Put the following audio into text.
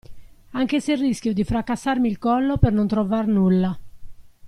Anche se rischio di fracassarmi il collo per non trovar nulla.